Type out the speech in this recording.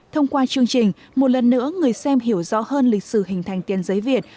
thông qua chương trình một lần nữa người xem hiểu rõ hơn lịch sử hình thành tiền giấy việt